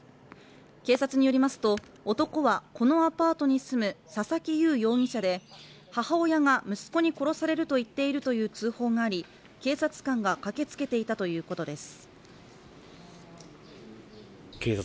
警察によりますと、男はこのアパートに住む佐々木祐容疑者で、母親が息子に殺されると言っているという通報があり警察官が駆け付けていたということです